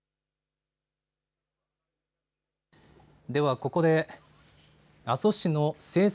ではここで阿蘇市の政策